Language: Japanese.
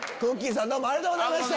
さんどうもありがとうございました。